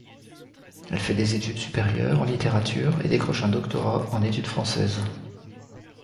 Elle fait des études supérieures en littérature et décroche un doctorat en études françaises.